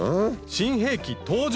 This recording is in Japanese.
新兵器登場！